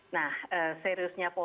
nah seriusnya polri